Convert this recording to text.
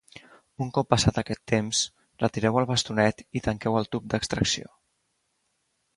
Un cop passat aquest temps, retireu el bastonet i tanqueu el tub d’extracció.